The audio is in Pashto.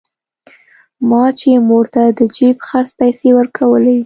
ما چې مور ته د جيب خرڅ پيسې ورکولې.